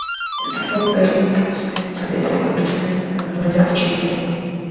TotalGaming dot net targeted independent game developers rather than the larger publishers.